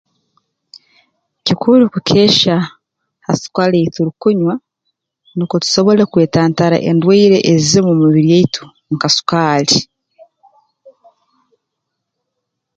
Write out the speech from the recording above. Kikuru kukeehya ha sukaali ei turukunywa nukwo tusobole kwetantara endwaire ezimu mu mibiri yaitu nka sukaali